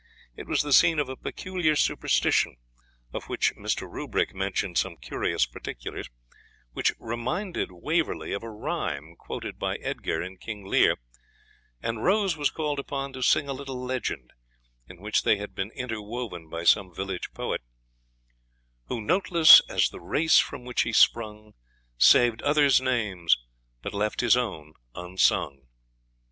It was the scene of a peculiar superstition, of which Mr. Rubrick mentioned some curious particulars, which reminded Waverley of a rhyme quoted by Edgar in King Lear; and Rose was called upon to sing a little legend, in which they had been interwoven by some village poet, Who, noteless as the race from which he sprung, Saved others' names, but left his own unsung.